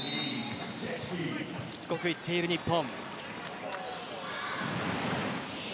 しつこくいっている日本。